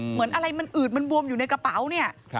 เหมือนอะไรมันอืดมันบวมอยู่ในกระเป๋าเนี่ย